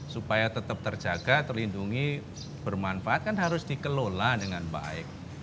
supaya tetap terjaga terlindungi bermanfaat kan harus dikelola dengan baik